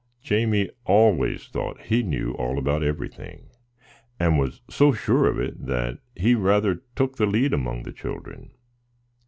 Jamie always thought he knew all about everything, and was so sure of it that he rather took the lead among the children.